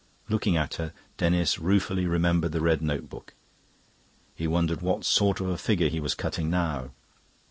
Looking at her, Denis ruefully remembered the red notebook; he wondered what sort of a figure he was cutting now.